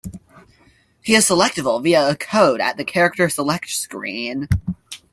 He is selectable via a code at the character select screen.